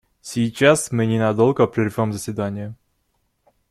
Сейчас мы ненадолго прервем заседание.